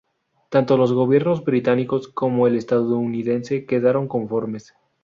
Tanto los gobiernos británico como el estadounidense quedaron conformes.